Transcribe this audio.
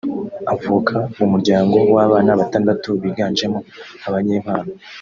Avuka mu muryango w’abana batandatu biganjemo abanyempano